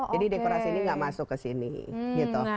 jadi dekorasi ini nggak masuk ke sini gitu